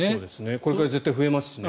これから絶対に増えますしね。